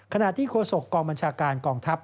ขณะที่โค้โศกกองบัญชาการกองทัพ